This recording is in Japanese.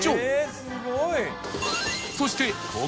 そして何？